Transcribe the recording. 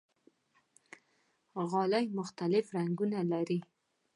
غالۍ مختلف رنګونه لري.